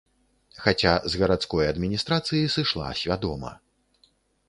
Хаця з гарадской адміністрацыі сышла свядома.